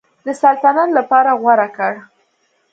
د سلطنت لپاره غوره کړ.